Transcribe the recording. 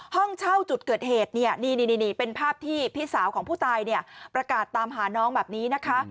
ห้องเช่าจุดเกิดเหตุเนี่ยนี่เป็นภาพที่พี่สาวของผู้ตายเนี่ยประกาศตามหาน้องแบบนี้นะคะ